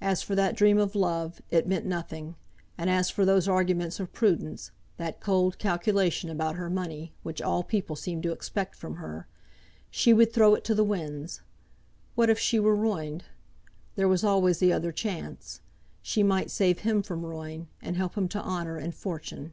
As for that dream of love, it meant nothing; and as for those arguments of prudence, that cold calculation about her money, which all people seemed to expect from her, she would throw it to the winds. What if she were ruined! There was always the other chance. She might save him from ruin, and help him to honour and fortune.